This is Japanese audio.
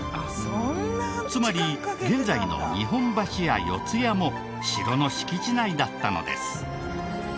つまり現在の日本橋や四ツ谷も城の敷地内だったのです。